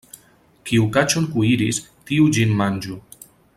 Kiu kaĉon kuiris, tiu ĝin manĝu.